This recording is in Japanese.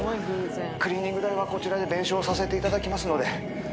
クリーニング代はこちらで弁償させていただきますので。